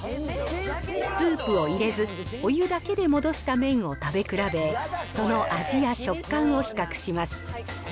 スープを入れず、お湯だけで戻した麺を食べ比べ、その味や食感を比較します。